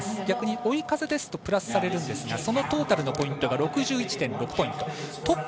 逆に追い風ですとプラスされるんですがそのトータルのポイントが６１．６ポイント。